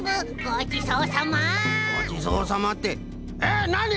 ごちそうさまってえっなに！？